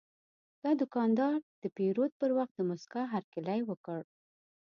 دا دوکاندار د پیرود پر وخت د موسکا هرکلی وکړ.